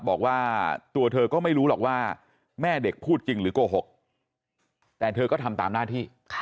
บอกว่าตัวเธอก็ไม่รู้หรอกว่าแม่เด็กพูดจริงหรือโกหกแต่เธอก็ทำตามหน้าที่